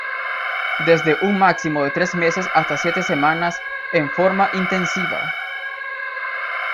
Desde un máximo de tres meses hasta siete semanas, en forma intensiva.